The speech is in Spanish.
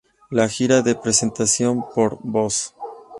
La gira de presentación por Bs.